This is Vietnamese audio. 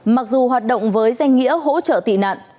mặc dù hoạt động với danh nghĩa hỗ trợ tị nạn